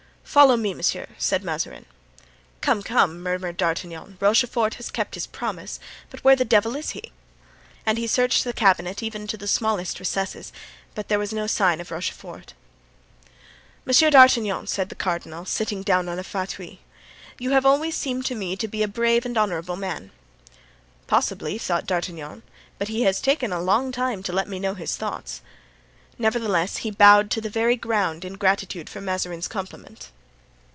"Follow me, monsieur," said Mazarin. "Come, come," murmured D'Artagnan, "Rochefort has kept his promise, but where in the devil is he?" And he searched the cabinet even to the smallest recesses, but there was no sign of Rochefort. "Monsieur d'Artagnan," said the cardinal, sitting down on a fauteuil, "you have always seemed to me to be a brave and honorable man." "Possibly," thought D'Artagnan, "but he has taken a long time to let me know his thoughts;" nevertheless, he bowed to the very ground in gratitude for Mazarin's compliment.